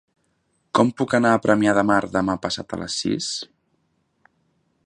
Com puc anar a Premià de Mar demà passat a les sis?